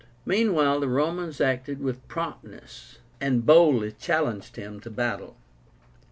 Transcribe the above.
Meanwhile the Romans acted with promptness, and boldly challenged him to battle.